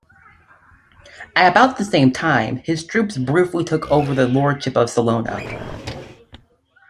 At about the same time, his troops briefly took over the Lordship of Salona.